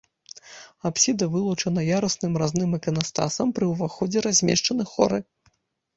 Апсіда вылучана ярусным разным іканастасам, пры ўваходзе размешчаны хоры.